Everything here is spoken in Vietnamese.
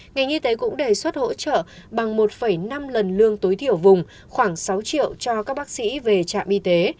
ngành y tế cũng đề xuất hỗ trợ bằng một năm lần lương tối thiểu vùng khoảng sáu triệu cho các bác sĩ về trạm y tế